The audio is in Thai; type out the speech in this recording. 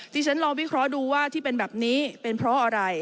ที่ฉันลองวิเคราะห์ดูว่าที่เป็นแบบนี้เป็นเพราะอะไร